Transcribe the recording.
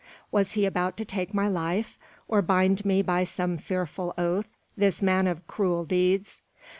Was he about to take my life, or bind me by some fearful oath, this man of cruel deeds?